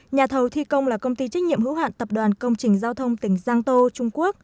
nhà thầu thi công là công ty trách nhiệm hữu hạn tập đoàn công trình giao thông tỉnh giang tô trung quốc